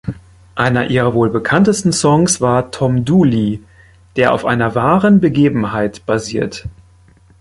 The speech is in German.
Einer ihrer wohl bekanntesten Songs war "Tom Dooley", der auf einer wahren Begebenheit basiert.